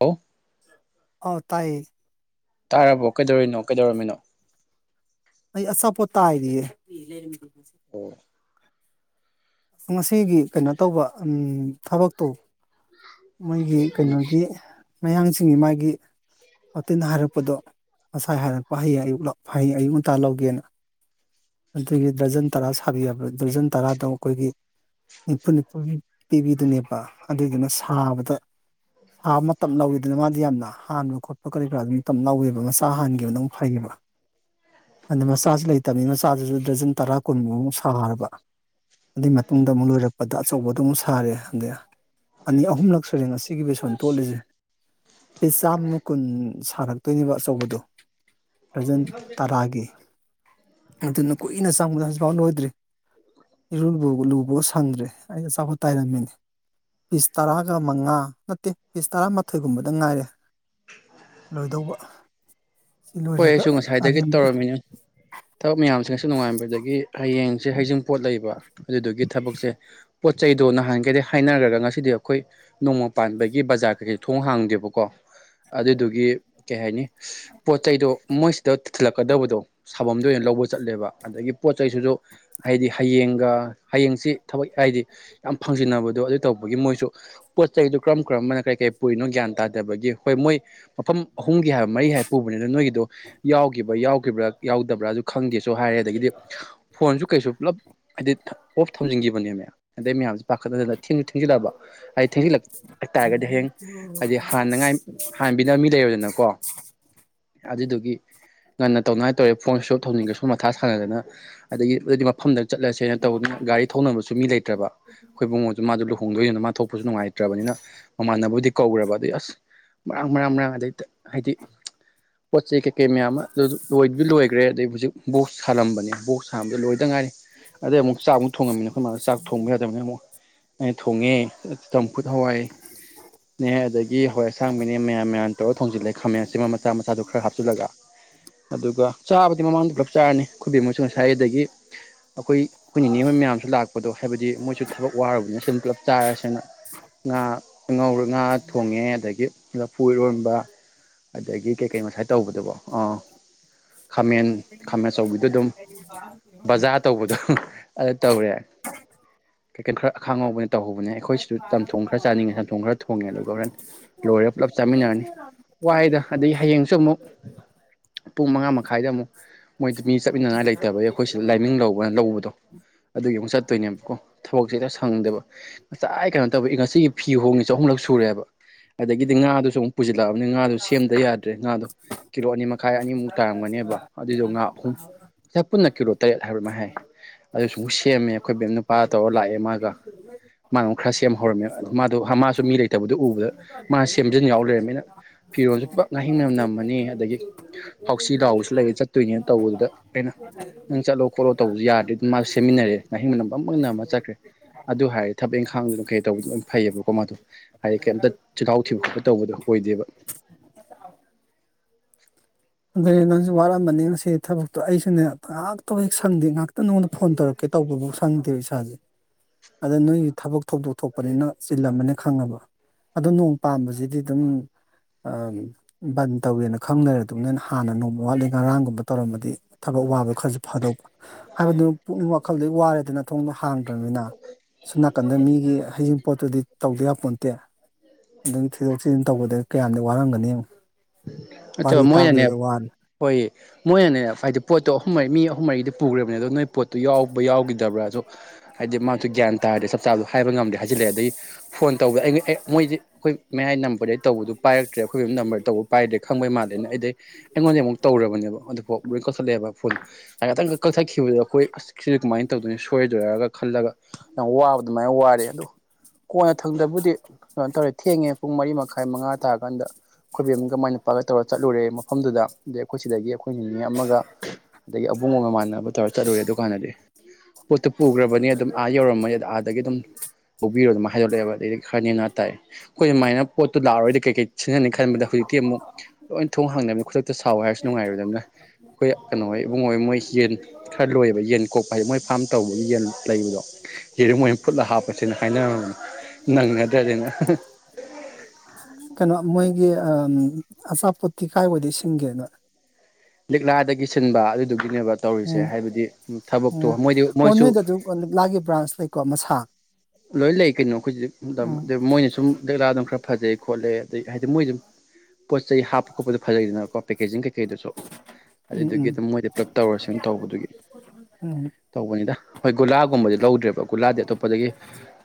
ꯍ ꯑ ꯇꯥꯏ ꯇꯥꯔꯕꯣ ꯀꯩꯗꯧꯔꯤꯅꯣ ꯀꯩꯗꯧꯔꯝꯃꯤꯅꯣ ꯑꯩ ꯑꯁ ꯄꯣꯠꯇ ꯍꯥꯏꯑꯦ ꯑꯣꯝ ꯉꯁꯤꯒꯤ ꯀꯩꯅꯣ ꯇꯧꯕ ꯊꯕꯛꯇꯣ ꯃꯣꯏꯒꯤ ꯎꯝ ꯀꯩꯅꯣꯒꯤ ꯃꯌꯥꯡꯁꯤꯡꯒꯤ ꯃꯥꯒꯤ ꯋꯥꯇꯤꯟ ꯍꯥꯏꯔꯛꯄꯗꯣ ꯉꯁꯥꯏ ꯍꯥꯏꯔꯛꯄ ꯍꯌꯦꯡ ꯑꯌꯨꯛ ꯍꯌꯦꯡ ꯑꯌꯨꯛ ꯉꯟꯇꯥ ꯂꯧꯒꯦꯅ ꯑꯗꯨꯒꯤ ꯗꯔ꯭ꯔꯖꯟ ꯇꯔꯥ ꯁꯥꯕꯤꯕ ꯗ꯭ꯔꯖꯟ ꯇꯔꯥꯗꯣ ꯑꯩꯈꯣꯏꯒꯤ ꯅꯤꯐꯨ ꯅꯤꯐꯨ ꯄꯤꯕꯤꯗꯨꯅꯦꯕ ꯑꯗꯨꯏꯗꯨꯅ ꯁꯥꯕꯗ ꯁꯥꯕ ꯃꯇꯝ ꯂꯧꯋꯤꯗꯅ ꯃꯥꯗꯤ ꯌꯥꯝꯅ ꯍꯥꯟꯕ ꯈꯣꯠꯄ ꯀꯔꯤ ꯀꯔꯥꯗꯨ ꯃꯇꯝ ꯂꯧꯋꯦꯕ ꯃꯆꯥ ꯍꯥꯟꯈꯤꯕꯅꯧꯛ ꯐꯩꯌꯦꯕ ꯑꯗꯨꯗ ꯃꯆꯥꯁꯨ ꯂꯩꯇꯕꯃꯤ ꯆꯞ ꯆꯥꯗꯨꯁꯨ ꯗꯖꯟ ꯇꯔꯥ ꯀꯨꯟꯃꯨꯛꯃꯨꯛ ꯁꯥꯔꯕ ꯑꯗꯨꯏ ꯃꯇꯨꯡꯗ ꯑꯃꯨꯛ ꯂꯣꯏꯔꯛꯄꯗ ꯑꯆꯧꯕꯗꯨꯣ ꯑꯃꯨꯛ ꯁꯥꯔꯦ ꯑꯗꯩ ꯑꯅꯤ ꯑꯍꯨꯝꯂꯛ ꯁꯨꯔꯦ ꯉꯁꯤ ꯁꯤꯒꯤ ꯕꯦꯁꯣꯟ ꯇꯣꯠꯜꯂꯤꯁꯦ ꯄꯤꯁ ꯆꯥꯝꯃ ꯀꯨꯟ ꯁꯥꯔꯛꯇꯣꯏꯅꯦꯕ ꯑꯆꯧꯕꯗꯨ ꯄ꯭ꯔꯖꯦꯟ ꯇꯔꯥꯒꯤ ꯑꯗꯨꯅ ꯀꯨꯏꯅ ꯆꯪꯕꯗ ꯍꯧꯖꯤꯛꯐꯥꯎ ꯂꯣꯏꯗ꯭ꯔꯤ ꯏꯔꯨꯕ ꯂꯨꯕ ꯁꯪꯗ꯭ꯔꯦ ꯑꯩꯅ ꯑꯆꯥꯈꯠ ꯇꯥꯏꯔꯝꯃꯤꯅꯤ ꯄꯤꯁ ꯇꯔꯥꯒ ꯃꯉꯥ ꯅꯠꯇꯦ ꯄꯤꯁ ꯇꯔꯥꯃꯥꯊꯣꯏꯒꯨꯝꯕꯗ ꯉꯥꯏꯔꯦ ꯂꯣꯏꯗꯧꯕ ꯁꯤ ꯍꯣꯏ ꯂꯣꯏꯔꯒ ꯑꯩꯁꯨ ꯉꯁꯥꯏꯗꯒꯤ ꯑꯔꯦꯝꯕꯗ ꯇꯧꯔꯝꯃꯤꯅ ꯊꯕꯛ ꯃꯌꯥꯝ ꯁꯨ ꯅꯨꯡꯉꯥꯏꯥꯟꯕꯗꯒꯤ ꯍ ꯍꯌꯦꯡꯁꯦ ꯍꯩꯖꯤꯡ ꯄꯣꯠ ꯂꯩꯕ ꯑꯗꯨꯗꯨꯒꯤ ꯊꯕꯛꯁꯦ ꯄꯣꯠ ꯆꯩꯗꯣ ꯅꯍꯥꯟꯒꯩꯗꯤ ꯍꯥꯏꯅꯔ꯭ꯔꯒ ꯉꯁꯤꯗꯤ ꯑꯩꯈꯣꯏ ꯅꯣꯡꯃ ꯄꯥꯟꯕꯒꯤ ꯕꯖꯥꯔ ꯀꯩꯀꯩ ꯊꯣꯡ ꯍꯥꯡꯗꯦꯕꯀꯣ ꯑꯗꯨꯗꯨꯒꯤ ꯀꯩ ꯍꯥꯏꯅꯤ ꯄꯣꯠ ꯆꯩꯗꯣ ꯃꯣꯏꯁꯤꯗꯤ ꯊꯤꯜꯂꯛꯀꯗꯕꯗꯣ ꯁꯥꯐꯝꯗ ꯑꯣꯏꯅ ꯂꯧꯕ ꯆꯠꯂꯦꯕ ꯑꯗꯒꯤ ꯄꯣꯠ ꯆꯩꯁꯤꯁꯨ ꯍꯥꯏꯗꯤ ꯍꯌꯦꯡꯒ ꯍꯌꯦꯡꯁꯤ ꯊꯕꯛ ꯍꯥꯏꯗꯤ ꯌꯥꯝ ꯐꯪꯖꯤꯟꯅꯕꯗꯣ ꯑꯗꯨ ꯇꯧꯕꯒꯤ ꯃꯣꯏꯁꯨ ꯄꯣꯠ ꯆꯩꯗꯨꯣ ꯀꯔꯝ ꯀꯔꯝꯕꯅ ꯀꯔꯤ ꯀꯔꯤ ꯄꯨꯔꯤꯅꯣ ꯒ꯭ꯌꯥꯟ ꯇꯥꯗꯕꯒꯤ ꯍꯣꯏ ꯃꯣꯏ ꯃꯐꯝ ꯄꯨꯝꯒꯤ ꯍꯥꯏ ꯃꯔꯤ ꯍꯥꯏ ꯅꯣꯏꯒꯤꯗꯣ ꯌꯥꯎ ꯌꯥꯎ [inaudible] ꯌꯥꯎꯗꯕ꯭ꯔꯥꯁꯨ ꯈꯪꯗꯦꯁꯨ ꯍꯥꯏꯔꯦ ꯑꯗꯒꯤꯗꯤ ꯐꯣꯟꯁꯨ ꯀꯩꯁꯨ ꯄꯨꯂꯞ ꯍꯥꯏꯗꯤ ꯑꯣꯐ ꯊꯧꯖꯤꯟꯈꯤꯕꯅꯦ ꯃ ꯑꯗꯩ ꯃꯌꯥꯝ ꯄꯥꯈꯠ ꯊ ꯊꯦꯡꯖꯤꯜꯂꯑꯕ ꯑ ꯊꯦꯡꯖꯤꯜꯂꯛꯇꯥꯥꯔꯒꯗꯤ ꯍꯌꯦꯡ ꯍꯥꯏꯗꯤ ꯍꯥꯟꯅꯉꯥꯏ ꯍꯥꯟꯕꯤꯅꯕ ꯃꯤ ꯂꯩꯔꯗꯅꯀꯣ ꯑꯗꯨꯗꯨꯒꯤ ꯉꯟꯅ ꯇꯧꯅꯉꯥꯏ ꯇꯧꯔꯦ ꯐꯣꯟꯁꯨ ꯊꯧꯅꯤꯡꯒꯁꯨ ꯃꯊꯥ ꯁꯥꯟꯅꯗꯅ ꯑꯗꯒꯤ ꯑꯗꯨꯗꯤ ꯃꯐꯝꯗ ꯆꯠꯂꯁꯦꯅ ꯇꯧꯕꯗꯅ ꯒꯥꯔꯤ ꯊꯧꯅꯕꯁꯨ ꯃꯤ ꯂꯩꯇ꯭ꯔꯕ ꯑꯩꯈꯣꯏ ꯃꯑꯣꯣꯟꯁꯨ ꯃꯥꯁꯨ ꯂꯨꯍꯣꯡꯗꯣꯏꯗꯨꯅ ꯃꯥ ꯊꯣꯛꯄꯁꯨ ꯅꯨꯡꯉꯥꯏꯇ꯭ꯔꯕꯅꯤꯅ ꯃꯃꯥꯟꯅꯕꯕꯨꯗꯤ ꯀꯧ꯭ꯔꯕ ꯑꯗꯩ ꯑꯁ ꯃꯔꯥꯡ ꯃꯔꯥꯡ ꯃꯔꯥꯡ ꯑꯗꯩ ꯍꯥꯏꯗꯤ ꯄꯣꯆ ꯆꯩ ꯀꯦꯃꯦ ꯑꯃ ꯑꯗꯨ ꯂꯣꯏꯗꯤ ꯂꯣꯏꯈ꯭ꯔꯦ ꯑꯗꯩ ꯍꯧꯖꯤꯛ ꯣ ꯁꯂꯝꯕꯅꯤ ꯣ ꯑꯝꯕꯗ ꯂꯣꯏꯇ ꯉꯥꯏꯔꯤ ꯑꯗꯩ ꯑꯃꯨꯛ ꯆꯥꯛꯃꯨꯛ ꯊꯣꯡꯉꯝꯃꯤꯅ ꯑꯩꯈꯣꯏ ꯃꯥ ꯆꯥꯛ ꯊꯣꯡꯕ ꯌꯥꯗꯕꯅꯤꯅ ꯑꯃꯨꯛ ꯑꯩ ꯊꯣꯡꯉꯦ ꯆꯝꯐꯨꯠ ꯍꯋꯥꯏꯅꯦ ꯑꯗꯒꯤ ꯍꯋꯥꯏ ꯑꯁꯥꯡꯕꯤꯅꯦ ꯃꯌꯥꯝ ꯃꯌꯥꯝ ꯇꯧꯔꯒ ꯊꯣꯡꯖꯤꯜꯂꯦ ꯈꯥꯃꯦꯟꯁꯤ ꯃ ꯈꯔ ꯍꯥꯞꯆꯤꯜꯂ ꯑꯗꯨꯒ ꯆꯥꯕꯗꯤ ꯃꯃꯥꯡꯗ ꯄꯨꯂꯞ ꯆꯥꯔꯅꯤ ꯈꯨꯕꯦꯝ ꯑꯃꯁꯨ ꯉꯁꯥꯏ ꯑꯗꯒꯤ ꯑꯩꯈꯣꯏ ꯑꯩꯈꯣꯏ ꯅꯤꯉꯕꯣꯏ ꯃꯌꯥꯝꯁꯨ ꯂꯥꯛꯄꯗꯣ ꯍꯥꯏꯕꯗꯤ ꯃꯣꯏꯁꯨ ꯊꯕꯛ ꯋꯥꯔꯨꯕꯅꯤꯅ ꯁꯨꯝ ꯄꯨꯂꯞ ꯆꯥꯏꯔꯁꯤꯅ ꯉꯥ ꯉꯧꯔ ꯉꯥ ꯊꯣꯡꯉꯦ ꯑꯗꯒꯤ ꯂꯐꯨꯔꯣꯟꯕ ꯑꯗꯒꯤ ꯀꯩꯀꯩ ꯉꯁꯥꯏ ꯇꯧꯕꯗꯨꯕꯣ ꯑꯥ ꯈꯥꯃꯦꯟ ꯈꯥꯃꯦꯟ ꯑꯆꯧꯕꯤꯗꯣ ꯑꯗꯨꯝ ꯕꯖꯥꯔ ꯇꯧꯕꯗꯣ ꯑꯗꯨ ꯇꯧꯔꯦ ꯀꯦꯀꯠ ꯈꯔ ꯈꯥꯡꯉꯥꯎꯕꯅꯤ ꯇꯧꯍꯧꯕꯅꯦ ꯑꯩꯈꯣꯏꯁꯤꯁꯨ ꯆꯝꯊꯣꯡ ꯈꯔ ꯆꯥꯅꯤꯡꯉꯦ ꯆꯝꯊꯣꯡ ꯈꯔ ꯊꯣꯡꯉꯦ ꯑꯗꯨꯒ ꯍꯣꯔꯦꯟ ꯂꯣꯏꯔꯒ ꯄꯨꯂꯞ ꯆꯥꯃꯤꯟꯅꯔꯅꯤ ꯋꯥꯏꯗ ꯑꯗꯨꯩ ꯠ ꯅꯦꯕꯀꯣ ꯊꯕꯛꯁꯦꯔ ꯁꯪꯗꯕ ꯉꯁꯥꯏ ꯀꯩꯅꯣ ꯇꯧꯕ ꯉꯁꯤꯒꯤ ꯐꯤ ꯍꯣꯡꯉꯦ ꯆ ꯑꯍꯨꯝꯂꯛ ꯁꯨꯔꯦꯕ ꯑꯗꯒꯤꯗꯤ ꯉꯥꯗꯨꯁꯨ ꯑꯃꯨꯛ ꯄꯨꯖ ꯂꯥꯛꯑꯕꯅꯤꯥꯗꯨ ꯁꯦꯝꯗꯕ ꯌꯥꯔꯦ ꯗꯣ ꯀꯤꯂꯣ ꯑꯅꯤꯃꯛ ꯃꯈꯥꯏ ꯑꯅꯤꯃꯨꯛ ꯇꯥꯔꯝꯒꯅꯦꯕ ꯑꯗꯨꯏꯗꯣ ꯉꯥ ꯑꯍꯨꯝ ꯁꯤ ꯄꯨꯟꯅ ꯀꯤꯂꯣ ꯇꯔꯦꯠ ꯍꯥꯏꯕꯃ ꯍꯥꯏ ꯑꯗꯨ ꯁꯨꯝ ꯁꯦꯝꯃꯦ ꯑꯩꯈꯣꯏ ꯕꯦꯝ ꯅꯨꯄꯥꯗ ꯇꯧꯔ ꯂꯥꯛꯑꯦ ꯃꯥꯒ ꯃꯥꯅ ꯈꯔ ꯁꯦꯝꯍꯧꯔꯝꯃꯦ ꯃꯥꯗꯣ ꯃꯥꯁꯨ ꯃꯤ ꯂꯩꯇ ꯎ ꯑꯗꯨꯗ ꯃꯥ ꯁꯦꯝꯖꯤꯟ ꯌꯥꯎ ꯂꯩꯔꯅꯤꯅ ꯐꯤꯔꯣꯜ ꯆꯠꯄ ꯉꯥꯍꯤꯡꯅꯝ ꯅꯝꯃꯅꯤ ꯑꯗꯒꯤ ꯍꯥꯎꯆ ꯂꯥꯎꯕꯁꯨ ꯂꯩꯔ ꯆꯠꯇꯣꯏꯅꯦꯅ ꯇꯧꯕꯗꯨꯗ ꯑꯩꯅ ꯅꯪ ꯆꯠꯂꯣ ꯈꯣꯠꯂꯣ ꯇꯧꯕꯁꯨ ꯌꯥꯗ꯭ꯔꯦ ꯑꯗꯨ ꯃꯥꯁꯨ ꯁꯦꯝꯃꯤꯟꯅꯔꯦ ꯉꯥꯍꯤꯡ ꯃ ꯅꯝ ꯑꯃ ꯆꯠꯈ꯭ꯔꯦ ꯑꯗꯨ ꯍꯥꯏꯔꯗꯤ ꯊꯕꯛ ꯏꯪꯈꯥꯡꯗꯨꯅ ꯀꯩ ꯇꯧꯕ ꯐꯩꯌꯦꯕꯀꯣ ꯃꯥꯗꯣ ꯍꯥꯏꯗꯤ ꯀꯩꯝꯇ ꯆꯤꯜꯍꯥꯎ ꯊꯤꯕ ꯈꯣꯠꯄ ꯇꯧꯕꯗꯣ ꯑꯣꯏꯗꯦꯕ ꯑꯗꯨꯩ ꯅꯪꯁꯨ ꯋꯥꯔꯝꯕꯅꯤ ꯉꯁꯤ ꯊꯕꯛꯇꯣ ꯑꯩꯁꯨꯅꯦ ꯉꯥꯛꯇꯕ ꯁꯪꯗꯤꯦ ꯉ ꯅꯉꯣꯟ ꯐꯣꯟ ꯇꯧꯛꯦ ꯇꯧꯕꯐꯥꯎ ꯁꯪꯗꯦꯕ ꯏꯁꯥꯁꯦ ꯑꯗ ꯅꯣꯏꯒꯤ ꯊꯕꯛ ꯊꯧꯗꯣꯛ ꯊꯣꯛꯄꯅꯤꯅ ꯆꯤꯜꯂꯝꯃꯅꯤ ꯈꯪꯉꯕ ꯑꯗꯣ ꯅꯣꯡ ꯄꯥꯝꯕꯁꯤꯗꯤ ꯑꯗꯨꯝ ꯕꯟ ꯇꯧꯒꯦꯅ ꯈꯪꯅꯔ ꯑꯗꯨ ꯅꯅ ꯍꯥꯟꯅ ꯅꯣꯡꯃ ꯋꯥꯠꯂꯤ ꯉꯔꯥꯡꯒꯨꯝꯕ ꯇꯧꯔꯝꯃꯗꯤ ꯊꯕꯛ ꯋꯥꯕ ꯈꯔꯁꯨ ꯐꯥꯗꯧꯕ ꯍꯥꯏꯕꯗꯨ ꯄꯨꯛꯅꯤꯡ ꯋꯥꯈꯜꯗ ꯋꯥꯔꯦꯗꯅ ꯊꯣꯡꯗꯣ ꯍꯥꯡꯗ꯭ꯔꯕꯅꯤꯅ ꯁꯣꯝ ꯅꯥꯀꯟꯗ ꯃꯤꯒꯤ ꯍꯩꯡꯤꯡ ꯄꯣꯠꯇꯨꯗꯤ ꯇꯧꯗ ꯌꯥꯄꯣ ꯅꯠꯇꯦ ꯑꯗꯨꯒꯤ ꯊꯣꯏꯗꯣꯛ ꯊꯤꯖꯤꯟ ꯇꯧꯕꯗ ꯀꯌꯥꯝꯗꯤ ꯋꯥꯔꯝꯒꯅꯤ ꯋꯥꯔꯤ ꯃꯣꯏ ꯌꯥꯅꯦ ꯇꯥꯕꯗꯨꯗ ꯋꯥꯔꯦ ꯍꯣꯏ ꯑꯦ ꯃꯣꯏꯅꯅꯦ ꯍꯥꯏꯗꯤ ꯄꯣꯠꯇꯣ ꯑꯍꯨꯝ ꯃꯔꯤ ꯃꯤ ꯑꯍꯨꯝ ꯃꯔꯤꯗꯤ ꯄꯨꯈ꯭ꯔꯕꯅꯦ ꯑꯗꯣ ꯅꯣꯏ ꯄꯣꯠꯇꯨ ꯌꯥꯎꯕ ꯌꯥꯎꯈꯤꯗꯕ꯭ꯔꯥ ꯑꯁꯨꯣ ꯍꯥꯏꯗꯤ ꯃꯥꯁꯨ ꯒ꯭ꯌꯥꯟ ꯇ ꯇ ꯆꯥꯗꯣ ꯍꯥꯏꯕ ꯉꯝꯗꯦ ꯍꯥꯏꯖꯤꯜꯂꯛꯑꯦ ꯑꯗꯒꯤ ꯐꯣꯟ ꯇꯧꯗꯦ ꯑꯩ ꯑꯦ ꯃꯣꯏꯗꯤ ꯑꯩꯈꯣꯏ ꯃꯌꯥꯏ ꯅꯝꯕꯔꯗꯩ ꯇꯧꯕꯗꯨ ꯄꯥꯏꯔꯛꯇꯦ ꯇ꯭ꯔ ꯑꯩꯈꯣꯏꯒꯤꯝ ꯅꯝꯕꯔ ꯇꯧꯕ ꯄꯥꯏꯗ꯭ꯔꯦ ꯈꯪꯕꯩ ꯃꯥꯜꯂꯦꯅ ꯑꯩꯗꯩ ꯑꯩꯉꯣꯟꯗ ꯑꯃꯨꯛ ꯇꯧꯔꯕꯅꯦꯕ ꯑꯗꯨꯐꯥꯎ ꯂꯣꯏ ꯀꯠꯂꯛꯑꯦꯕ ꯥꯏꯍꯥꯛꯇꯪ ꯀꯛꯊꯠꯈꯤꯕꯗꯨꯣ ꯑꯩꯈꯣꯏ ꯑꯁ ꯁꯤꯗꯤ ꯀꯃꯥꯏꯅ ꯇꯧꯗꯣꯏꯅ ꯁꯣꯏꯔꯣꯏꯗꯣꯏꯔꯥꯔꯒ ꯈꯜꯂꯒ ꯋꯥ ꯑꯗꯨꯃꯥꯏꯅ ꯋꯥꯔꯦ ꯑꯗꯣ ꯀꯣꯟꯅ ꯊꯪꯗꯕꯨꯗꯤ ꯀꯩꯅꯣ ꯇꯧꯔꯦ ꯊꯦꯡꯉꯦ ꯄꯨꯡ ꯃꯔꯤ ꯃꯈꯥꯏ ꯃꯉꯥ ꯇꯥꯔꯀꯥꯟꯗ ꯈꯣꯏꯕꯦꯝꯒ ꯃꯥꯏ ꯅꯨꯄꯥꯒ ꯇꯧꯔ ꯆꯠꯂꯨꯔꯦ ꯃꯐꯝꯗꯨꯗ ꯑꯗꯩ ꯑꯩꯈꯣꯏ ꯁꯤꯗꯒꯤ ꯑꯩꯈꯣꯏ ꯅꯨ ꯃꯤ ꯑꯃꯒ ꯑꯗꯒꯤ ꯑꯕꯨꯡꯒ ꯃꯥꯟꯅꯕ ꯇꯧꯔ ꯆꯠꯂꯨꯔꯦꯗꯨꯀꯥꯟꯗꯗꯤ ꯄꯣꯠꯇꯨ ꯄꯨꯈ꯭ꯔꯕꯅꯤ ꯑꯗꯨꯝ ꯑꯗꯨꯝ ꯄꯤꯔꯣ ꯑꯗꯨꯝ ꯍꯥꯏꯗꯂꯛꯑꯦꯕ ꯑꯗꯗꯤꯔꯅ ꯇꯥꯏꯦ ꯑꯩꯈꯣꯏ ꯑꯗꯨꯃꯥꯏꯅ ꯄꯣꯠꯇꯨ ꯂꯥꯛꯑꯔꯣꯏꯗꯤ ꯀꯩ ꯀꯩ ꯁꯤꯖꯤꯟꯅꯅꯤ ꯈꯟꯕꯗ ꯍꯧꯖꯤꯛꯇꯤ ꯑꯃꯨꯛ ꯂꯣꯏ ꯊꯣꯡ ꯍꯥꯡꯗꯕꯅ ꯈꯨꯗꯛꯇ ꯁꯥꯎꯋ ꯍꯥꯏꯔꯁꯨ ꯅꯨꯡꯉꯥꯏꯔꯣꯏꯗꯕꯅꯤꯅ ꯑꯩꯈꯣꯏ ꯀꯩꯅꯣ ꯍꯣꯏ ꯏꯕꯨꯡ ꯍꯣꯏ ꯃꯣꯏ ꯌꯦꯟ ꯈꯔ ꯂꯣꯏꯌꯦꯕ ꯌꯦꯟ ꯀꯣꯛꯄ ꯍꯥꯏꯗꯤꯦ ꯃꯣꯏ ꯐꯥꯝ ꯇꯧꯕꯒꯤ ꯌꯦꯟ ꯂꯩꯕꯗꯣ ꯍꯤꯔꯨꯝ ꯑꯣꯏꯅ ꯐꯨꯠꯂ ꯍꯥꯞꯄꯁꯤꯅ ꯍꯥꯏꯅꯔꯅꯤ ꯅꯪꯒꯗ꯭ꯔꯗꯅ ꯀꯩꯅꯣ ꯃꯣꯏꯒꯤ ꯑꯆꯥꯄꯣꯠꯠꯇꯤ ꯀꯥꯏ ꯑꯣꯏꯗ ꯏ ꯁꯤꯟꯒꯦꯅꯣ ꯂꯤꯛꯂꯥꯗꯒꯤ ꯁꯤꯟꯕ ꯑꯗꯨꯗꯨ ꯎꯝ ꯎꯝ ꯃꯣꯏꯗꯤ ꯑꯣ ꯃꯣꯏꯁꯨ ꯅꯣꯏꯗꯁꯨ ꯂꯤꯛꯂꯥꯒꯤ ꯕ꯭ꯔꯥꯟꯁ ꯂꯩꯀꯣ ꯃꯁꯥ ꯂꯣꯏ ꯂꯩ ꯀꯩꯅꯣ ꯑꯩꯈꯣꯏꯁꯤ ꯎꯝ ꯃꯣꯏꯅ ꯁꯨꯝ ꯗꯂꯥ ꯑꯗꯨꯝ ꯈꯔ ꯐꯖꯩ ꯈꯣꯠꯂꯦ ꯑꯗꯩ ꯍꯥꯏꯗꯤ ꯃꯣꯏ ꯑꯗꯨꯝ ꯄꯣꯠ ꯆꯩ ꯍꯥꯞꯄ ꯈꯣꯠꯄꯗꯤ ꯐꯖꯩꯗꯅꯀꯣ ꯄꯦꯤꯡꯩ ꯀꯩ ꯀꯩꯗꯨꯁꯨ ꯎꯝ ꯑꯗꯨꯏꯗꯨꯒꯤ ꯎꯝ ꯑꯗꯨꯝ ꯃꯣꯏꯗ ꯄꯨꯂꯞ ꯇꯧꯔꯁꯨ ꯑꯗꯨ ꯇꯧꯕꯗꯨꯒꯤ ꯎꯝ ꯇꯧꯕꯅꯤꯗ ꯍꯣꯏ ꯒꯨꯂꯥꯒꯨꯝꯕꯗꯤ ꯂꯧꯗ꯭ꯔꯦꯕ ꯒꯨꯂꯥꯗꯤ ꯑꯇꯣꯞꯄꯗꯒꯤ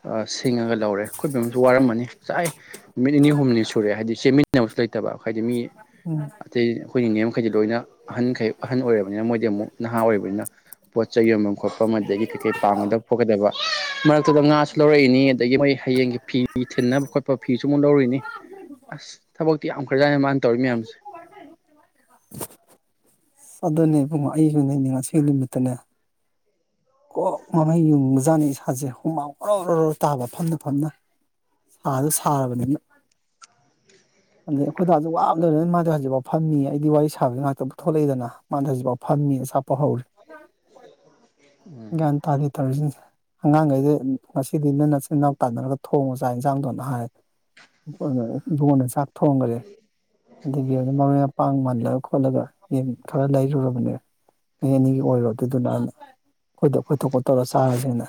ꯑ ꯊꯤꯡꯉꯒ ꯂꯧꯔꯦ ꯑꯩꯈꯠꯄ ꯑꯃꯁꯨ ꯋꯥꯔꯝꯃꯅꯤ ꯆꯥꯏ ꯅꯨꯃꯤꯠ ꯅꯤꯅꯤ ꯍꯨꯝꯅꯤ ꯁꯨꯔꯦ ꯍꯥꯏꯗꯤ ꯆꯦꯟꯃꯤꯟꯅꯕꯁꯨ ꯂꯩꯇꯕ ꯍꯥꯏꯗꯤ ꯃꯤ ꯎꯝ ꯑꯇꯩ ꯑꯩꯈꯣꯏꯒꯤꯦꯝꯈꯩꯗꯤ ꯂꯣꯏꯅ ꯑꯍꯟꯈꯩ ꯑꯍꯟ ꯑꯣꯏꯔꯕꯅꯤꯅ ꯃꯣꯏꯗꯤ ꯑꯃꯨꯛ ꯅꯍꯥ ꯑꯣꯏꯔꯕꯅꯤꯅ ꯄꯣꯠ ꯆꯩ ꯌꯣꯟꯐꯝ ꯈꯣꯠꯄ ꯑꯗꯒꯤ ꯀꯩ ꯀꯩ ꯄꯥꯡꯝꯒꯗꯕ ꯈꯣꯠꯀꯗꯕ ꯃꯥ ꯑꯗꯨꯨꯗ ꯉꯥꯁꯨ ꯂꯧꯔꯛꯏꯅꯤ ꯑꯗꯒꯤ ꯃꯣꯏ ꯍꯌꯦꯡꯒꯤ ꯐꯤ ꯊꯤꯟꯅꯕ ꯈꯣꯠꯄ ꯐꯤꯁꯨ ꯑꯃꯨꯛ ꯂꯧꯔꯏꯅꯤ ꯑꯁ ꯊꯕꯛꯇꯤ ꯌꯥꯝ ꯈ꯭ꯔꯖꯥꯅ ꯃꯥꯅ ꯇꯧꯔꯤ ꯃꯌꯥꯝꯁꯦ ꯑꯗꯨꯅꯦ ꯏꯕꯨꯡꯉ ꯑꯩꯒꯤꯅꯦꯅꯦ ꯉꯁꯤ ꯅꯨꯃꯤꯠꯇꯅꯦ ꯀꯣꯛ ꯃꯃꯩ ꯌꯨꯡꯕꯖꯥꯠꯅꯤ ꯏꯁꯥꯁꯦ ꯍꯨꯃꯥꯎ ꯍꯔꯣ ꯔꯔꯣ ꯇꯥꯕ ꯐꯝꯅ ꯐꯝꯅ ꯁꯥꯗ ꯁꯥꯔꯕꯅꯤꯅ ꯑꯗꯩ ꯑꯩꯈꯣꯏꯗꯁꯨ ꯋꯥꯝꯗꯅꯤꯅ ꯃꯥꯗꯤ ꯍꯧꯖꯤꯛꯐꯥꯎ ꯐꯝꯃꯤ ꯑꯩꯗꯤ ꯋꯥꯔꯤ ꯁꯥꯕꯒꯤ ꯉꯥꯛꯇ ꯄꯨꯊ ꯊꯣꯛꯂꯛꯏꯗꯅ ꯃꯥꯗ ꯍꯧꯖꯤꯛꯐꯥꯎ ꯐꯝꯃꯤꯅ ꯁꯥꯄ ꯍꯧꯔ ꯒ꯭ꯟ ꯇꯥꯗꯦ ꯇꯧꯔꯤꯁꯤꯡꯁꯦ ꯑꯉꯥꯡꯈꯩꯁ ꯉꯁꯤꯗꯤ ꯅ ꯅꯆꯤꯟꯜꯅꯥꯎ ꯇꯥꯟꯅꯔꯒ ꯊꯣꯡꯉ ꯆꯥꯛ ꯌꯦꯟꯁꯥꯡꯗꯣꯅ ꯍꯥꯏꯣꯟꯅ ꯆꯥꯛ ꯊꯣꯡꯈ꯭ꯔꯦ ꯑꯗꯨꯗꯒꯤ ꯑꯃꯅ ꯃꯔ ꯑꯣꯏꯅ ꯃꯄꯥꯡꯃꯜ ꯈꯠꯂꯒ ꯈꯣꯠꯂꯒ ꯌꯦꯟ ꯈꯔ ꯂꯩꯔꯨꯔꯕꯅꯦ ꯃꯤ ꯑꯅꯤꯒꯤ ꯑꯣꯏꯔꯣ ꯑꯗꯨꯗꯨꯅ ꯈꯣꯏꯗꯣꯛ ꯈꯣꯠꯇꯣꯛꯄꯣ ꯇꯧꯔ ꯆꯥꯔꯁꯤꯦꯅ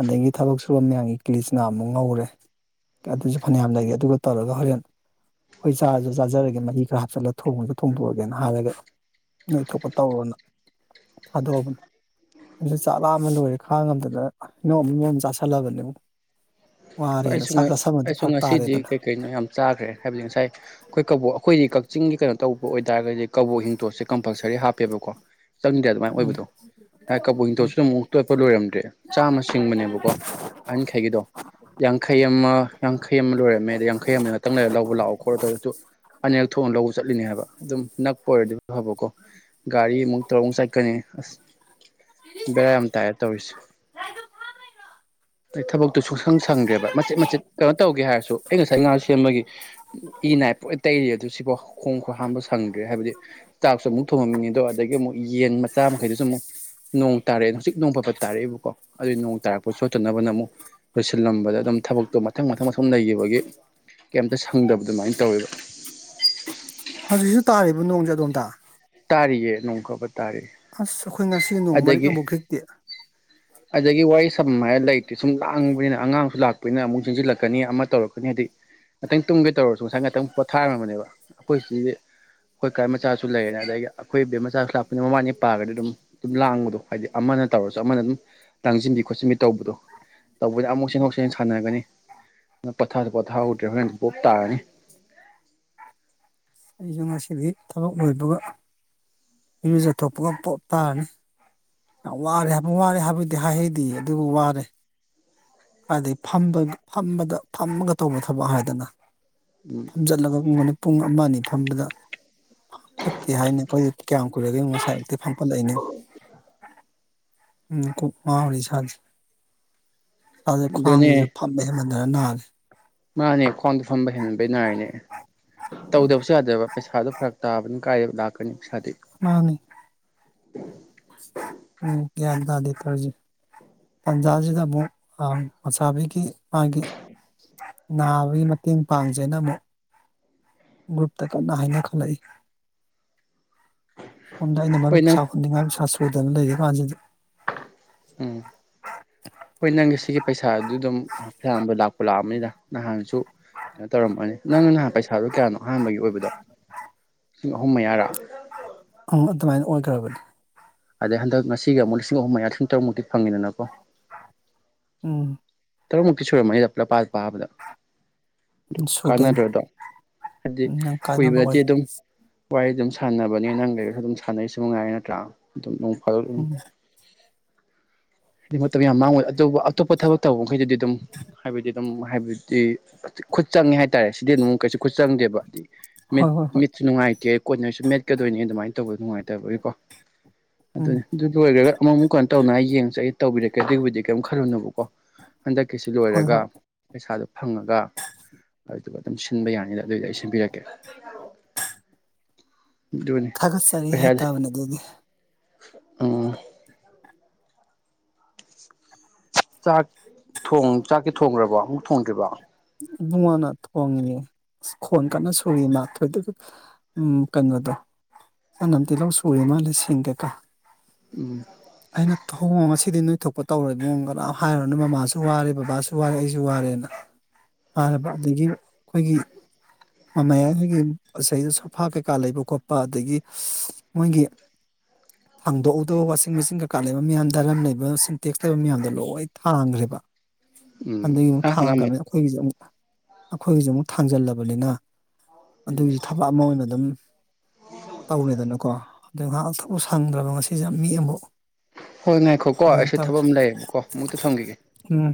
ꯑꯗꯒꯤ ꯊꯕꯛ ꯁꯨꯨꯔ ꯃꯌꯥꯝꯒꯤ ꯀ꯭ꯂꯤꯆ ꯉꯥꯃꯨꯛ ꯉꯧꯔꯦ ꯑꯗꯨꯁꯨ ꯐꯅꯌꯥꯝ ꯂꯩꯇꯦ ꯑꯗꯨꯒ ꯇꯧꯔꯒ ꯍꯣꯔꯦꯟ ꯑꯩꯈꯣꯏ ꯆꯥꯔꯁꯨ ꯆꯥꯖꯔꯒꯦ ꯃꯍꯤ ꯈꯔ ꯍꯥꯞꯆꯤꯜꯂ ꯊꯣꯡꯁꯨ ꯊꯣꯡꯗꯣꯛꯑꯒꯦꯅ ꯍꯥꯏꯔꯒ ꯅꯣꯏ ꯊꯣꯛꯣꯛꯄ ꯇꯧꯔꯣꯅ ꯊꯥꯗꯣꯛꯑꯕꯅꯤ ꯑꯗꯨꯗ ꯆꯥꯛ ꯂꯥꯑ ꯑꯃ ꯂꯣꯏꯔꯦ ꯈꯥꯡ ꯉꯝꯗꯅ ꯏꯩꯅꯣ ꯏꯃꯣꯝ ꯆꯥꯁꯤꯜꯂꯕꯅꯦ ꯍꯣꯏ ꯑꯩꯁꯨ ꯑꯩꯁꯨ ꯉꯁꯤꯗꯤ ꯀꯩ ꯀꯩꯅꯣ ꯌꯥꯝ ꯆꯥꯈ꯭ꯔꯦ ꯍꯥꯏꯕꯗꯤ ꯉꯁꯥꯏ ꯑꯩꯈꯣꯏ ꯀ ꯑꯩꯈꯣꯏ ꯑꯩꯗꯤ ꯀꯛꯆꯤꯡꯒꯤ ꯀꯩꯅꯣ ꯇꯧꯕ ꯑꯣꯏꯇꯥꯔꯒꯗꯤ ꯀꯕꯣꯛ ꯍꯤꯡꯇꯣꯠꯁꯦ ꯀꯝꯄꯜꯁꯔꯤ ꯍꯥꯞꯄꯦꯕꯀꯣ ꯆꯪꯅꯤꯡꯗꯦ ꯑꯗꯨꯃꯥꯏꯅ ꯎꯝ ꯑꯣꯏꯕꯗꯣ ꯉ ꯀꯕꯨꯏ ꯎꯝ ꯏꯤꯡꯇꯣꯁꯨ ꯑꯗꯨꯝ ꯑꯃꯨꯛ ꯇꯣꯠꯄ ꯂꯣꯏꯔꯝꯗ꯭ꯔꯦ ꯆꯥꯝꯃ ꯁꯤꯡꯕꯅꯦꯕꯀꯣ ꯑꯟꯈꯩꯒꯤꯗꯣ ꯌꯥꯡꯈꯩ ꯑꯃ ꯌꯥꯡꯈꯩ ꯑꯃ ꯂꯣꯏꯔꯝꯃꯦ ꯌꯥꯡꯈꯩ ꯑꯃꯗ ꯅꯇꯪ ꯂꯔꯒ ꯂꯧꯕ ꯂꯥꯛꯑꯣ ꯈꯣꯠꯣ ꯇꯧꯔꯁꯨ ꯑꯅꯤꯔꯛ ꯊꯣꯛꯅ ꯂꯧꯕ ꯆꯠꯂꯤꯅꯦ ꯍꯥꯏꯕ ꯑꯗꯨꯝ ꯅꯛꯄ ꯑꯣꯏꯔꯗꯤ ꯐꯕꯀꯣ ꯒꯥꯔꯤꯃꯨꯛ ꯇꯧꯔꯛ ꯆꯠꯀꯅꯤ ꯑꯁ ꯕꯦꯔꯥ ꯌꯥꯝ ꯇꯥꯏꯔ ꯇꯧꯔꯤꯁꯦ ꯑꯩ ꯊꯕꯛꯇꯨ ꯁ ꯁꯪ ꯁꯪꯗ꯭ꯔꯦꯕ ꯃꯆꯦꯠ ꯃꯆꯦꯠ ꯀꯩꯅꯣ ꯇꯧꯒꯦ ꯍꯥꯏꯔꯁꯨ ꯑꯩ ꯉꯁꯥꯏ ꯉꯥ ꯁꯦꯝꯕꯒꯤ ꯏ ꯅꯥꯏꯄ ꯂꯩꯔꯤ ꯑꯗꯨ ꯁꯤꯕꯣ ꯈꯣꯡ ꯈ ꯍꯥꯝꯕ ꯁꯪꯗ꯭ꯔꯦ ꯍꯥꯏꯕꯗꯤ ꯆꯥꯛꯁꯨ ꯑꯃꯨꯛ ꯊꯣꯡꯉꯝꯃꯤꯉꯦ ꯑꯗꯣ ꯑꯗꯒꯤ ꯑꯃꯨꯛ ꯌꯦꯟ ꯃꯆꯥ ꯃꯈꯩꯗꯨꯁꯨ ꯑꯃꯨꯛ ꯅꯣꯡ ꯇꯥꯔꯛꯑꯦ ꯍꯧꯖꯤꯛ ꯅꯣꯡ ꯐꯠꯄ ꯇꯥꯔꯛꯏꯦꯕꯀꯣ ꯑꯗꯨꯏ ꯅꯣꯡ ꯇꯥꯔꯛꯄ ꯁꯣꯠꯇꯅꯕꯅ ꯑꯃꯨꯛ ꯂꯣꯏꯁꯤꯜꯂꯝꯕꯗ ꯑꯗꯨꯝ ꯊꯕꯛꯇꯣ ꯃꯊꯪ ꯃꯊꯪ ꯑꯁꯨꯝ ꯂꯩꯈꯤꯕꯒꯤ ꯀꯩꯝꯇ ꯁꯪꯗꯕ ꯑꯗꯨꯃꯥꯏꯅ ꯇꯧꯋꯦꯕ ꯍꯧꯖꯤꯛꯁꯨ ꯇꯥꯔꯤꯕ ꯅꯣꯡꯁꯨꯦ ꯑꯗꯣꯝꯇ ꯇꯥꯔꯤꯌꯦ ꯅꯣꯡꯈꯕ ꯇꯔꯦ ꯑꯁ ꯑꯩꯈꯣꯏ ꯉꯁꯤ ꯅꯣꯡ ꯃꯔꯤꯛ ꯑꯃꯨꯛ ꯛꯇꯦ ꯑꯗꯒꯤ ꯋꯥꯔꯤ ꯁꯝ ꯍꯥꯏꯔ ꯂꯩꯇꯦ ꯁꯨꯝ ꯂꯥꯡꯕꯅꯤꯅ ꯑꯉꯥꯡꯁꯨ ꯂꯥꯛꯄꯅꯤꯅ ꯑꯃꯨꯛ ꯆꯦꯟꯁꯤꯜꯂꯛꯀꯅꯤ ꯑꯃ ꯇꯧꯔꯛꯀꯅꯤ ꯍꯥꯏꯗꯤ ꯉꯥꯛꯇꯪ ꯇꯨꯝꯒꯦ ꯇꯧꯔꯁꯨ ꯉꯁꯥꯏ ꯉꯥꯛꯇꯪ ꯄꯣꯊꯥꯔꯝꯝꯕꯅꯦꯕ ꯑꯩꯈꯣꯏ ꯁꯤꯗꯤ ꯑꯩꯈꯣꯏ ꯀꯥꯏ ꯃꯆꯥꯁꯨ ꯂꯩꯔꯦꯅ ꯑꯗꯒꯤ ꯑꯩꯈꯣꯏ ꯏꯕꯦꯝ ꯃꯆꯥꯁꯨ ꯂꯥꯛꯄꯅꯤꯅ ꯃꯃꯥꯅꯤ ꯄꯥꯔꯒꯗꯤ ꯑꯗꯨꯝ ꯑꯗꯨꯝ ꯂꯥꯡꯕꯗꯣ ꯍꯥꯏꯗꯤ ꯑꯃꯅ ꯇꯧꯔꯁꯨ ꯑꯃꯅ ꯑꯗꯨꯝ ꯂꯥꯡꯁꯤꯟꯕꯤ ꯈꯣꯠꯆꯤꯟꯕꯤ ꯇꯧꯕꯗꯣ ꯇꯧꯕꯗ ꯑꯃꯨꯛ ꯁꯦꯡꯍꯣꯛ ꯁꯦꯡꯟ ꯁꯥꯟꯅꯒꯅꯤ ꯅ ꯄꯠꯊꯥꯁꯨ ꯄꯣꯊꯥꯍꯗ꯭ꯔꯦ ꯍꯣꯔꯦꯟ ꯄꯣꯞ ꯇꯥꯔꯅꯤ ꯑꯩꯁꯨ ꯉꯁꯤꯗꯤ ꯊꯕꯛ ꯂꯣꯏꯕꯒ ꯃꯤꯖꯊꯣ ꯄ ꯄꯣ ꯇꯅꯤ ꯋꯥꯔꯦ ꯋꯥꯔꯦ ꯍꯥꯏꯕꯗꯤ ꯍꯥꯏꯍꯩꯗꯤ ꯑꯗꯨꯕꯨ ꯋꯥꯔꯦ ꯍꯥꯏꯗꯤ ꯐꯝꯕ ꯐꯝꯕꯗ ꯐꯝꯃꯒ ꯇꯧꯕ ꯊꯕꯛ ꯍꯥꯏꯗꯅ ꯎꯝ ꯐꯝꯖꯜꯂꯒ ꯀꯨꯝꯒꯅ ꯄꯨꯡ ꯑꯃ ꯑꯅꯤ ꯐꯝꯕꯗ ꯐꯠꯇꯦ ꯍꯥꯏꯅꯤ ꯑꯩꯈꯣꯏ ꯀꯌꯥꯝ ꯀꯨꯏꯔꯒꯦ ꯉꯁꯥꯏꯃꯨꯛꯇꯤ ꯐꯝꯒꯠꯂꯛꯏꯅꯣ ꯎꯝ ꯈꯨ ꯃꯥꯔꯤ ꯁꯥꯖ ꯑꯁꯦ ꯑꯗꯨꯅꯦ ꯈ꯭ꯋꯥꯡꯁꯤꯁꯨ ꯐꯝꯃꯦ ꯗꯔ ꯅꯥꯔꯦ ꯃꯥꯅꯦ ꯈ꯭ꯋꯥꯡꯗ ꯐꯝꯕ ꯍꯦꯟꯍꯟꯕꯩ ꯅꯥꯏꯅꯦ ꯎꯝ ꯇꯧꯗꯕꯁꯨ ꯌꯥꯗꯕ ꯄꯩꯁꯥꯗꯣ ꯐꯔꯛ ꯇꯥꯕꯅ ꯀ ꯗꯥꯥꯛꯀꯅꯤ ꯃꯥꯅꯤ [unintelligible] ꯎꯝ ꯒ꯭ꯌꯥꯟ ꯇꯥꯗꯤꯦ ꯈꯔꯁꯤ ꯇꯟꯖꯥꯁꯤꯗ ꯑꯃꯨꯛ ꯃꯁꯥ ꯄꯤꯈꯤ ꯍꯥꯏꯦ ꯅꯥꯕꯒꯤ ꯃꯇꯦꯡ ꯄꯥꯡꯖꯩꯅ ꯑꯃꯨꯛ ꯒ꯭ꯔꯨꯞꯇꯀ ꯀꯍꯥꯏꯅ ꯈꯂ ꯂꯩ ꯁꯣꯟꯗꯅ ꯍꯣꯏ ꯃꯔꯔꯨꯞ ꯅꯪ ꯆꯣꯟꯗꯤꯉ ꯐꯣꯏꯗꯅ ꯂꯩꯌꯦꯦ ꯃꯥꯟꯗꯦ ꯎꯝ ꯍꯅꯪꯒꯦꯁꯤꯒꯤ ꯄꯩꯁꯥꯗꯨ ꯑꯗꯨꯝ ꯐꯌꯥꯝꯕ ꯂꯥꯛꯄ ꯂꯥꯛꯑꯕꯅꯤꯅ ꯅꯍꯥꯟꯁꯨ ꯀꯩꯅꯣ ꯇꯧꯔꯝꯃꯅꯤ ꯅꯪꯅ ꯅꯍꯥꯟ ꯄꯩꯁꯥꯗꯨ ꯀꯌꯥꯅꯣ ꯑꯍꯥꯟꯕꯒꯤ ꯑꯣꯏꯕꯗꯣ ꯂꯤꯁꯤꯡ ꯑꯍꯨꯝ ꯃꯌꯥꯔꯛ ꯑꯕ ꯑꯗꯩ ꯍꯟꯗꯛ ꯉꯁꯤꯒ ꯑꯃꯨꯛ ꯂꯤꯁꯤꯡ ꯑꯍꯨꯝ ꯌꯥ ꯂꯤꯁꯤꯡ ꯇꯔꯨꯛꯃꯨꯛꯇꯤ ꯐꯪꯉꯗꯅꯀꯣ ꯎꯝ ꯇ ꯃꯛꯒꯤꯁꯨꯔ ꯃꯥꯞꯂ ꯄꯥꯁ ꯄꯥꯕꯗ ꯑꯗꯨ ꯁꯨꯗꯣꯏꯅꯤ ꯀꯥꯟꯅꯗ꯭ꯔꯗꯣ ꯍꯥꯏꯗꯤ ꯎꯝ ꯅꯪ ꯀꯥꯟꯅꯕ ꯀꯨꯏꯕꯅꯗꯤ ꯑꯣꯏ ꯑꯗꯨꯝ ꯋꯥꯔꯤ ꯑꯗꯨꯝ ꯁꯥꯟꯅꯕꯅꯦ ꯅꯪ ꯂꯩꯔꯁꯨ ꯑꯗꯨꯝ ꯁꯥꯟꯅꯔꯤꯁꯨ ꯉꯥꯏꯔ ꯅꯠꯇ꯭ꯔꯥ ꯑꯗꯨꯝ ꯐ ꯎ ꯎꯝ ꯑꯗꯨ ꯃꯇꯝ ꯌꯥꯝ ꯃꯥꯡꯉꯣꯏ ꯑꯇꯣꯞ ꯑꯇꯣꯞꯄ ꯊꯕꯛ ꯇꯧꯕ ꯃꯈꯩꯗꯤ ꯑꯗꯨꯝ ꯍꯥꯏꯕꯗꯤ ꯑꯗꯨꯝ ꯍꯥꯏꯕꯗꯤ ꯈꯨꯠ ꯆꯪꯉꯦ ꯍꯥꯏꯇꯥꯔꯦ ꯁꯤꯗꯤ ꯑꯗꯨꯝ ꯀꯩꯁꯨ ꯈꯨꯠ ꯆꯪꯗꯦꯕ ꯍꯥꯏꯗꯤ ꯃꯤꯠ ꯍꯣꯏ ꯍꯣꯏ ꯍꯣꯏ ꯃꯤꯠꯁꯨ ꯅꯨꯡꯉꯥꯏꯇꯦ ꯀꯣꯏꯅꯔꯁꯨ ꯃꯦꯠꯀꯗꯣꯏꯅꯤ ꯑꯗꯨꯃꯥꯏꯅ ꯇꯧꯕꯗ ꯅꯨꯡꯉꯥꯏꯇꯕꯒꯤꯀꯣ ꯎꯝ ꯑꯗꯨꯅꯦ ꯑꯗꯨ ꯑꯣꯏꯒꯒ ꯑꯃꯨꯛ ꯀꯩꯅꯣ ꯇꯧꯅ ꯌꯦꯡꯁꯒꯦ ꯇꯧꯕꯤꯔꯛꯀꯦ ꯑꯗꯨꯒꯤꯕꯨꯗꯤ ꯀꯩꯝ ꯈꯜꯂꯨꯅꯨꯕꯀꯣ ꯍꯟꯗꯛꯀꯤꯁꯤ ꯍꯣꯏ ꯂꯣꯏꯔꯒ ꯍꯣꯏ ꯄꯩꯁꯥꯗꯨꯣ ꯐꯪꯉꯒ ꯑꯗꯨꯒ ꯑꯗꯨꯝ ꯁꯤꯟꯕ ꯌꯥꯅꯤꯗ ꯑꯗꯨꯏꯗ ꯑꯩ ꯁꯤ ꯁꯦꯝꯕꯤꯔꯛꯀꯦ ꯊꯥꯒꯠꯆꯔꯤ ꯍꯥꯏꯇꯥꯕꯅꯦ ꯑꯗꯨꯗꯤ ꯑ ꯆꯥꯛ ꯊꯣꯡ ꯆꯥꯛꯀꯤ ꯊꯣꯡꯈ꯭ꯔꯕꯣ ꯑꯃꯨꯛ ꯊꯣꯡꯗ꯭ꯔꯤꯕ ꯨꯡꯉꯅꯥ ꯊꯄꯣꯡꯡꯂꯦ ꯈꯣꯟ ꯀꯟꯅ ꯁꯨꯔꯤ ꯃꯥ ꯣꯏ ꯎ ꯀꯩꯅꯣꯗꯣ ꯆꯅꯝꯗꯤꯤ ꯂꯧ ꯁꯨꯔꯦ ꯃꯥꯅ ꯁꯤꯡꯗꯦꯀꯣ ꯎꯝ ꯑꯩꯅ ꯊꯍꯣꯡ ꯉꯁꯤꯗꯤ ꯅꯣꯏ ꯊꯣꯛꯄ ꯇꯧꯔ ꯃꯑꯣꯡꯗ ꯂ ꯍꯥꯏꯔꯨꯔꯅ ꯃꯃꯥꯁꯨ ꯋꯥꯔꯦ ꯕꯕꯥꯁꯨ ꯋꯥꯔꯦ ꯑꯩꯁꯨ ꯋꯥꯔꯦꯅ ꯍꯥꯏꯔꯕ ꯑꯗꯒꯤ ꯑꯩꯈꯣꯏꯒꯤ ꯃꯃ ꯑꯩꯈꯣꯏꯒꯤ ꯉꯁ ꯁꯣꯐꯥ ꯀꯩꯀꯥ ꯂꯩꯕ ꯈꯣꯠꯄ ꯑꯗꯒꯤ ꯃꯣꯏꯒꯤ ꯍꯥꯡꯗꯣꯛꯎꯗꯣꯛ ꯋꯥꯁꯤꯡ ꯃꯦꯆꯤꯟ ꯀꯩꯀꯥ ꯂꯩꯕ ꯃꯌꯥꯝ ꯗꯔꯝ ꯂꯩꯕ ꯁꯤꯟꯇꯦꯛꯁ ꯂꯩꯕ ꯃꯌꯥꯝꯗꯣ ꯂꯣꯏ ꯊꯥꯡꯈ꯭ꯔꯦꯕ ꯎꯝ ꯑꯗꯨꯒꯤ ꯑꯃꯨꯛ ꯑ ꯍꯪꯉꯝꯃꯅꯤ ꯊꯥꯡꯈ꯭ꯔꯕꯅꯤꯅ ꯑꯩꯈꯣꯏꯒꯤꯁꯨꯦ ꯑꯃꯨꯛ ꯑꯩꯈꯣꯏꯒꯤꯁꯨ ꯑꯃꯨꯛ ꯊꯥꯡꯖꯜꯂꯕꯅꯤꯅ ꯎꯝ ꯑꯗꯨꯒꯤꯁꯨ ꯊꯕꯛ ꯑꯃ ꯑꯣꯏꯅ ꯑꯗꯨꯝ ꯇꯧꯔꯦꯗꯅꯀꯣ ꯅꯍꯥꯛ ꯑꯇꯄ ꯁꯪꯗ꯭ꯔꯕ ꯉꯁꯤꯁꯦ ꯃꯤ ꯑꯃꯨꯛ ꯍꯣꯏ ꯉꯥꯏꯈꯣ ꯀꯣ ꯑꯗꯨ ꯑꯩꯁꯨ ꯊꯕꯛ ꯇꯧꯔꯁꯦ ꯑꯃ ꯂꯩꯌꯦꯕꯀꯣ ꯃꯨꯛꯇ ꯊꯝꯈꯤꯒꯦ ꯎꯝ